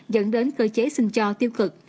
dẫn đến cơ chế xin cho tiêu cực